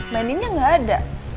mbak andinnya gak ada